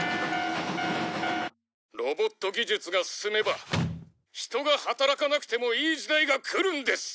「ロボット技術が進めば人が働かなくてもいい時代が来るんです」